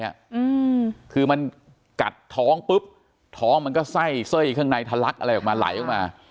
อืมคือมันกัดท้องปุ๊บท้องมันก็ไส้สร้อยข้างในทะลักอะไรออกมาไหลออกมา